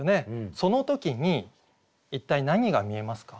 その時に一体何が見えますか？